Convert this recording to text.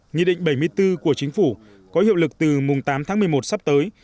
nghị định bảy mươi bốn của chính phủ có hiệu lực từ mùng tám tháng một mươi một sắp tới